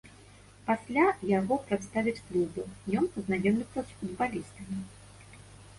Пасля яго прадставяць клубу, ён пазнаёміцца з футбалістамі.